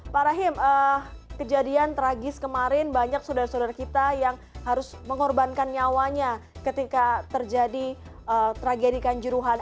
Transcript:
pak rahim kejadian tragis kemarin banyak saudara saudara kita yang harus mengorbankan nyawanya ketika terjadi tragedi kanjuruhan